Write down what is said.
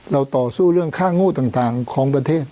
ต่อสู้เรื่องค่าโง่ต่างของประเทศ